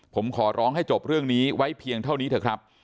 ผมขอร้องให้จบเรื่องนี้ไว้เพียงเท่านี้เถอะครับ